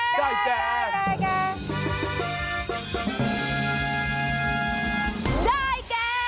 ได้แก